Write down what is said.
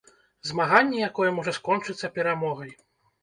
Змаганне, якое можа скончыцца перамогай!